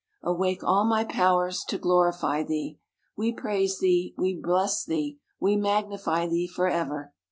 awake all my powers to glorify thee ! We praise thee, we bless thee, we magnify thee for ever.